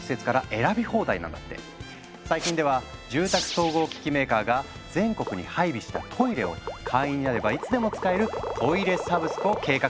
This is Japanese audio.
最近では住宅総合機器メーカーが全国に配備したトイレを会員になればいつでも使える「トイレサブスク」を計画中なんですって。